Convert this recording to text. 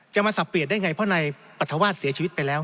มาสับเปลี่ยนได้ไงเพราะนายปรัฐวาสเสียชีวิตไปแล้ว